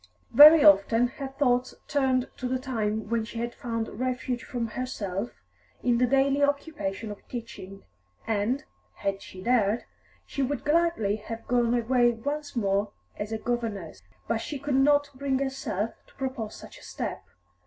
Very often her thoughts turned to the time when she had found refuge from herself in the daily occupation of teaching, and, had she dared, she would gladly have gone away once more as a governess. But she could not bring herself to propose such a step.